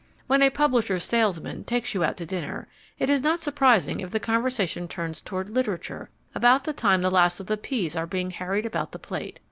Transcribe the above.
When a publisher's salesman takes you out to dinner, it is not surprising if the conversation turns toward literature about the time the last of the peas are being harried about the plate.